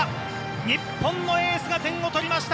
日本のエースが点を取りました。